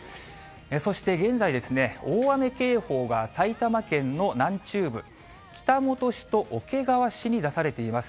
そして、現在、大雨警報が埼玉県の南中部、北本市と桶川市に出されています。